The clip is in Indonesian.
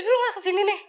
dulu gak kesini nih